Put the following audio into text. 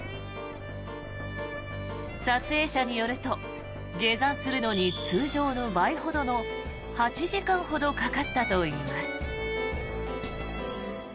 撮影者によると、下山するのに通常の倍ほどの８時間ほどかかったといいます。